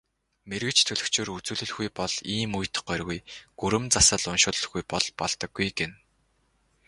Мэргэч төлгөчөөр үзүүлэлгүй бол ийм үед горьгүй, гүрэм засал уншуулалгүй бол болдоггүй гэнэ.